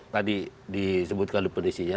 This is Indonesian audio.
tadi disebutkan depresinya